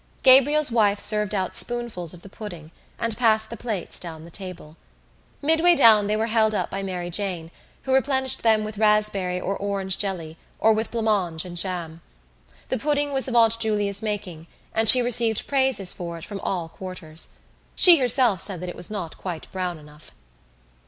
Gabriel's wife served out spoonfuls of the pudding and passed the plates down the table. Midway down they were held up by Mary Jane, who replenished them with raspberry or orange jelly or with blancmange and jam. The pudding was of Aunt Julia's making and she received praises for it from all quarters. She herself said that it was not quite brown enough.